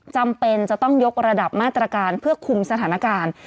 จำเป็นจะต้องยกระดับมาตรการเพื่อคุมสถานการณ์